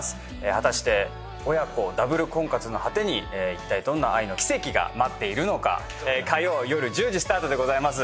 果たして親子ダブル婚活の果てに一体どんな愛の奇跡が待っているのか火曜夜１０時スタートでございます